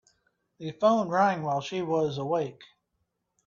The phone rang while she was awake.